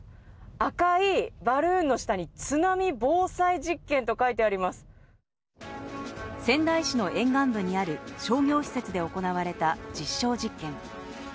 赤いバルーンの下につなみぼうさいじっけんと仙台市の沿岸部にある商業施設で行われた実証実験。